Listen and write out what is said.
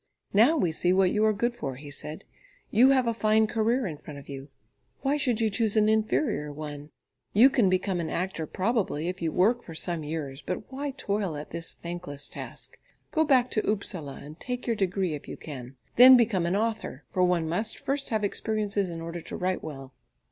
"Now we see what you are good for," he said. "You have a fine career in front of you; why should you choose an inferior one? You can become an actor probably if you work for some years, but why toil at this thankless task? Go back to Upsala and take your degree if you can. Then become an author, for one must first have experiences in order to write well."